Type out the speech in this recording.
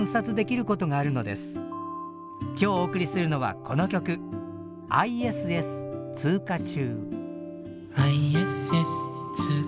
今日お送りするのはこの曲「ＩＳＳ通過中」。